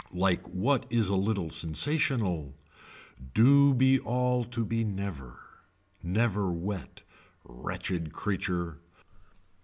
Like what is a little sensational. Do be all to be never. Never wet. Wretched creature.